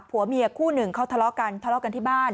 ผัวเมียคู่หนึ่งเขาทะเลาะกันทะเลาะกันที่บ้าน